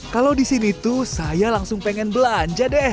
kalau di sini tuh saya langsung pengen belanja deh